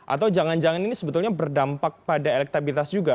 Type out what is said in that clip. atau jangan jangan ini sebetulnya berdampak pada elektabilitas juga